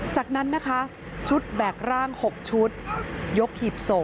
จากนั้นนะคะชุดแบกร่าง๖ชุดยกหีบศพ